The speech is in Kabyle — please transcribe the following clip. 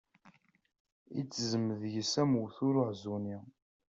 Itezzem deg-s am uwtul aɛezzuni.